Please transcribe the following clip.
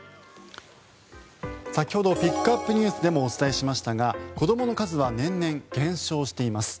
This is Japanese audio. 先ほどピックアップＮＥＷＳでもお伝えしましたが子どもの数は年々減少しています。